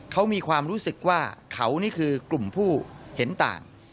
เขามีความรู้สึกว่าเขานี่คือกลุ่มผู้เห็นต่าง